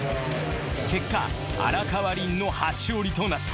結果荒川麟の初勝利となった